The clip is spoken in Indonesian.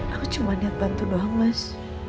aku cuma niat bantu doang mas